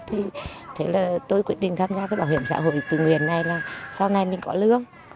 thì thế là tôi quyết định tham gia cái bảo hiểm xã hội tự nguyện này là sau này mình có lương